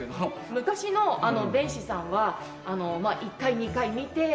昔の弁士さんは１回２回見て。